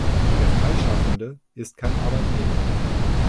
Der Freischaffende ist kein Arbeitnehmer.